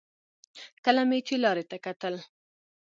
کله مې چې لارې ته کتل.